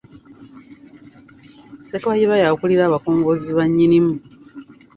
Ssekayiba ye akulira abakongozzi ba Nnyinimu.